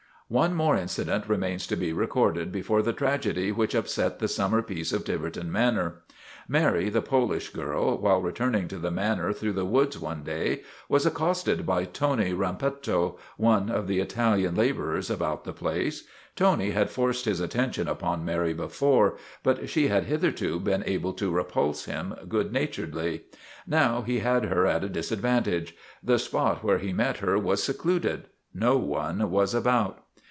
One more incident remains to be recorded before the tragedy which upset the summer peace of Tiver ton Manor. Mary, the Polish girl, while returning to the Manor through the woods one day, was ac costed by Tony Rampetto, one of the Italian laborers about the place. Tony had forced his attention upon Mary before, but she had hitherto been able to repulse him good naturedly. Now he had her at a disadvantage. The spot where he met her was secluded ; no one was about.